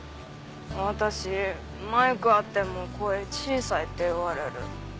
私マイクあっても声小さいって言われる。